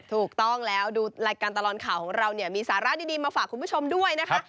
ถูกต้องแล้วดูรายการตลอดข่าวของเราเนี่ยมีสาระดีมาฝากคุณผู้ชมด้วยนะคะ